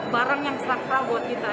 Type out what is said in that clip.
barang yang sakral buat kita